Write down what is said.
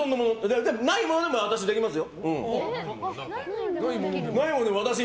ないものでも私、できますよ。